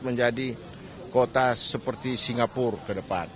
menjadi kota seperti singapura ke depan